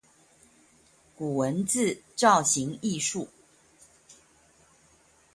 古文字造型藝術